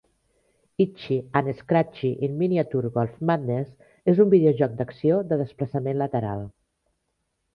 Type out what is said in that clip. "Itchy and Scratchy in Miniature Golf Madness" és un videojoc d'acció de desplaçament lateral.